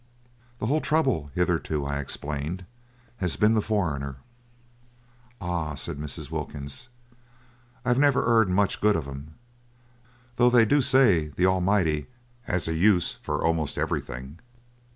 "The whole trouble hitherto," I explained, "has been the foreigner." "Ah," said Mrs. Wilkins, "I never 'eard much good of 'em, though they do say the Almighty 'as a use for almost everything."